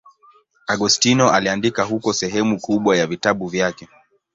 Agostino aliandika huko sehemu kubwa ya vitabu vyake.